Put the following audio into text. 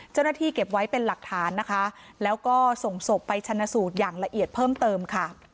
เจ้าหน้าที่เก็บไว้เป็นหลักฐานนะคะแล้วก็ส่งศพไปชนะสูตรอย่างละเอียดเพิ่มเติมค่ะ